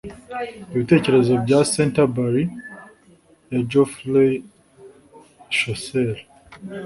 Ibitekerezo bya Canterbury ya Geoffrey Chaucer